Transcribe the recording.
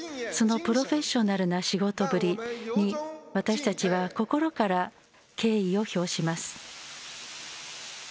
そのプロフェッショナルな仕事ぶりに私たちは心から敬意を表します。